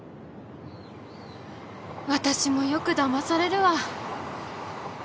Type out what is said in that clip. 私もよくだまされるわ。